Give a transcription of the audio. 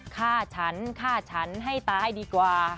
ข้าวฉันข้าวฉันให้ตายดีกว่า